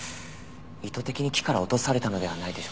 意図的に木から落とされたのではないでしょうか？